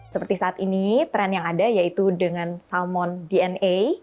seperti saat ini tren yang ada yaitu dengan salmon dna